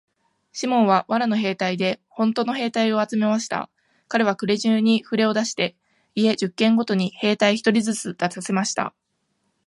シモンは藁の兵隊でほんとの兵隊を集めました。かれは国中にふれを出して、家十軒ごとに兵隊一人ずつ出させました。